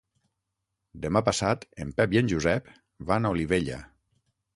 Demà passat en Pep i en Josep van a Olivella.